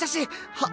はっ！？